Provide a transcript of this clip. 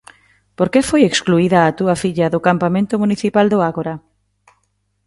Por que foi excluída a túa filla do campamento municipal do Ágora?